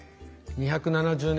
２７０年！